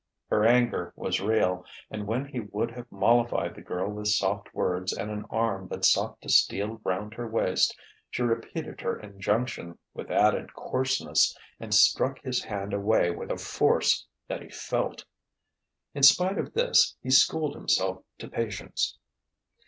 Her anger was real; and when he would have mollified the girl with soft words and an arm that sought to steal round her waist, she repeated her injunction with added coarseness and struck his hand away with a force that he felt. In spite of this, he schooled himself to patience.